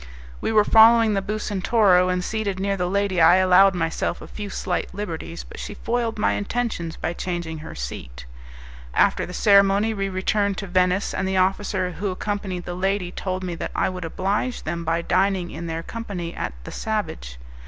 We were following the Bucentoro, and seated near the lady I allowed myself a few slight liberties, but she foiled my intentions by changing her seat. After the ceremony we returned to Venice, and the officer who accompanied the lady told me that I would oblige them by dining in their company at "The Savage."